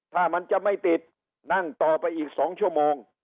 ถ้ามันจะไม่ติดนั่งต่อไปอีก๒ชั่วโมง